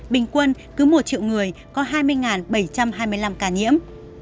bình quân cứ một triệu người có hai mươi bảy trăm hai mươi năm ca nhiễm